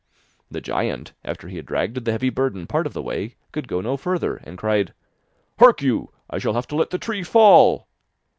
The giant, after he had dragged the heavy burden part of the way, could go no further, and cried: 'Hark you, I shall have to let the tree fall!